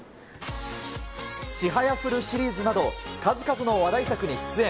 ちはやふるシリーズなど、数々の話題作に出演。